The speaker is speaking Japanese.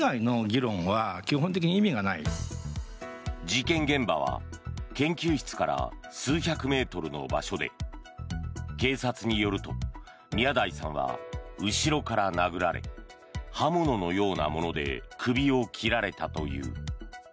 事件現場は研究室から数百メートルの場所で警察によると宮台さんは後ろから殴られ刃物のようなもので首を切られたという。